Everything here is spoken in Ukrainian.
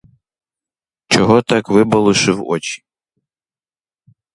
Чого так вибалушив очі?